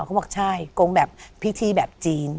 เขาบอกใช่โกงแบบพิธีแบบจีน